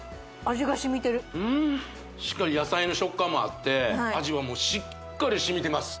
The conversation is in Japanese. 味がしみてるうんしっかり野菜の食感もあって味はもうしっかりしみてます